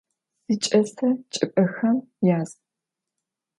Siç'ese çç'ıp'exem yaz.